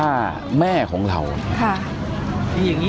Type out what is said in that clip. แล้วมีคนมาฆ่าแต่แม่ของเราค่ะ